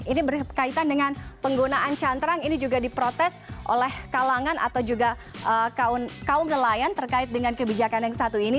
ini berkaitan dengan penggunaan cantrang ini juga diprotes oleh kalangan atau juga kaum nelayan terkait dengan kebijakan yang satu ini